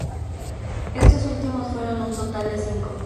Estos últimos fueron un total de cinco.